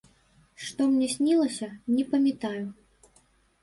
Што мне снілася, не памятаю.